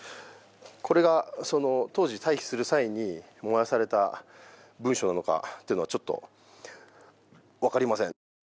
これがその当時退避する際に燃やされた文章とかっていうのかちょっと分かりません。